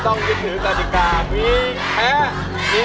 โรงได้